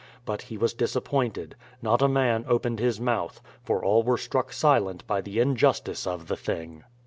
But he was disappointed ; not a man opened his mouth, for all were struck silent by the injustice of the thing.